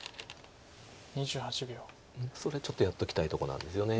それちょっとやっときたいとこなんですよね。